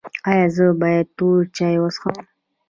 ایا زه باید تور چای وڅښم؟